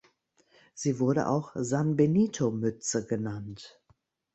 Sie wurde auch "Sanbenito-Mütze" genannt.